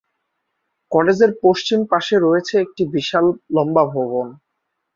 কলেজের পশ্চিম পাশে রয়েছে একটি বিশাল লম্বা ভবন।